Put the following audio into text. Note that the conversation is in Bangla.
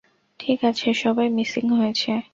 ঠিক আছে, সবাই মিসিং হয়েছে।